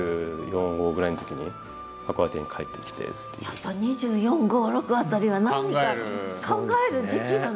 やっぱ２４２５２６辺りは何か考える時期なの？